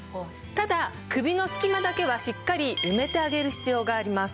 ただ首の隙間だけはしっかり埋めてあげる必要があります。